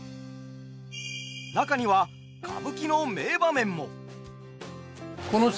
中には歌舞伎の名場面も。